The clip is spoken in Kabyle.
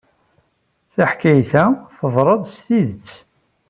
Taḥkayt-a teḍra s tidet.